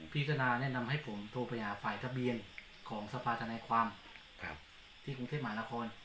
พิจารณาแนะนำให้ผมโทรไปหาฝ่ายทะเบียนของสภาธนาความที่กรุงเทพมหานคร